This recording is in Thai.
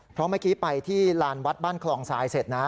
เพราะเมื่อกี้ไปที่ลานวัดบ้านคลองทรายเสร็จนะ